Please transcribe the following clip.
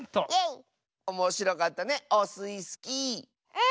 うん。